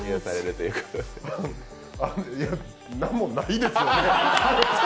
何もないですよね。